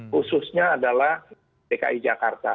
khususnya adalah dki jakarta